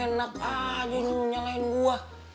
enak aja lu nyalain gue